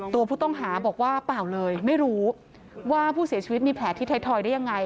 ตัวผู้ต้องหาบอกว่าเปล่าเลยไม่รู้ว่าผู้เสียชีวิตมีแผลที่ไทยทอยได้ยังไง